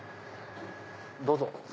どうぞ。